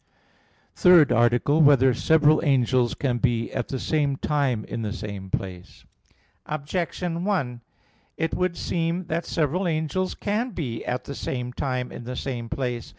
_______________________ THIRD ARTICLE [I, Q. 52, Art. 3] Whether Several Angels Can Be at the Same Time in the Same Place? Objection 1: It would seem that several angels can be at the same time in the same place.